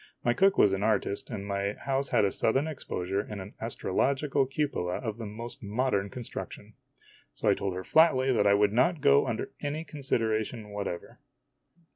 My cook was an artist, and my house had a southern exposure and an astrological cupola of the most modern construction. So I told her flatly that I would not go under any consideration whatever.